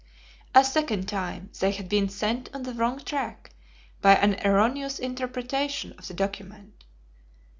A second time they had been sent on the wrong track by an erroneous interpretation of the document.